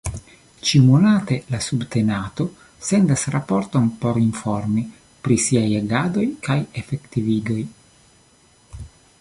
Ĉiumonate la subtenato sendas raporton por informi pri siaj agadoj kaj efektivigoj.